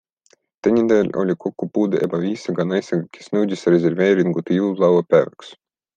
Teenindajal oli kokkupuude ebaviisaka naisega, kes nõudis reserveeringut jõululaupäevaks.